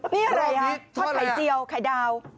นี่อะไรครับข้าวไข่เจียวไข่ดาว